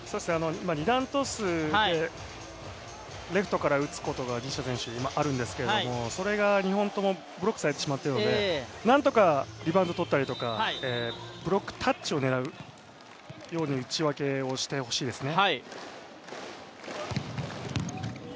二段トスでレフトから打つことが西田選手、あるんですけれどもそれが２本ともブロックされてしまっているのでなんとかリバウンドを取ったりとかブロックタッチを狙うように打ち分けをしてほしいですね。